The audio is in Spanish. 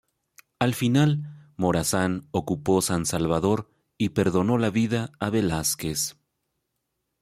Al final, Morazán ocupó San Salvador y perdonó la vida a Velásquez.